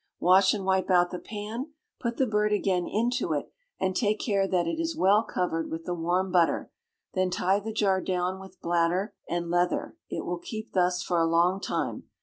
Wash and wipe out the pan, put the bird again into it, and take care that it is well covered with the warm butter; then tie the jar down with bladder and leather. It will keep thus for a long time.